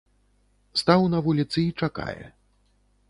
Стаў на вуліцы і чакае.